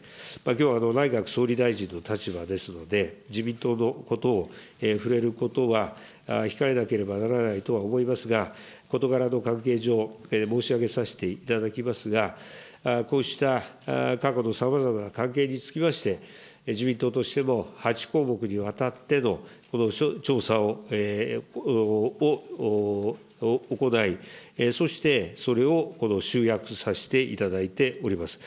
きょう、内閣総理大臣の立場ですので、自民党のことを触れることは控えなければならないとは思いますが、事柄の関係上、申し上げさせていただきますが、こうした過去のさまざまな関係につきまして、自民党としても８項目にわたっての調査を行い、そしてそれを集約させていただいております。